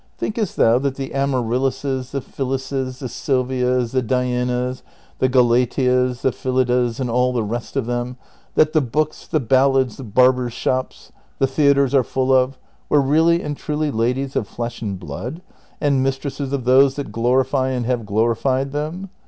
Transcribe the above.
Thinkest thou that the Amaryllises, the Phillises, the Sylvias, the Dianas, the Gala teas,^ the Filidas, and all the rest of them, that the books, the ballads, the barbers' shops, the theatres are full of, Avere really and truly ladies of flesh and blood, and mistresses of those that glorify and have glorified them